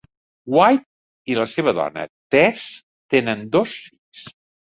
White i la seva dona, Tess, tenen dos fills.